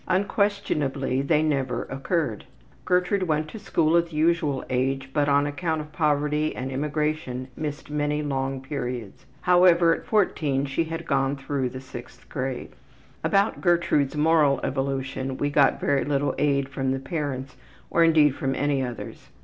Unquestionably they never occurred. Gertrude went to school at the usual age, but on account of poverty and immigration missed many long periods. However, at 14 she had gone through the 6th grade. About Gertrude's moral evolution we got very little aid from the parents or indeed from any others.